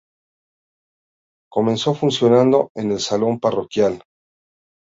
Comenzó funcionando en el salón parroquial.